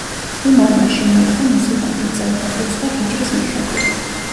უმარმა შემოიღო მუსლიმანური წელთაღრიცხვა ჰიჯრის მიხედვით.